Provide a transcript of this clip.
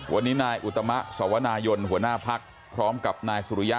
วันนี้นายอุตมะสวนายนหัวหน้าพักพร้อมกับนายสุริยะ